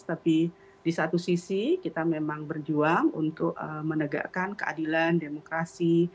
tapi di satu sisi kita memang berjuang untuk menegakkan keadilan demokrasi